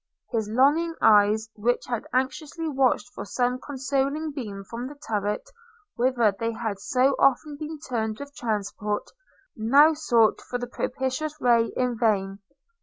His longing eyes, which had anxiously watched for some consoling beam from the turret, whither they had so often been turned with transport, now sought for the propitious ray in vain.